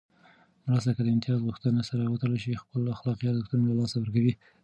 مرسته که د امتياز غوښتنې سره وتړل شي، خپل اخلاقي ارزښت له لاسه ورکوي.